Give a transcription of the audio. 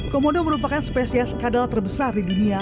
komodo merupakan spesies kadal terbesar di dunia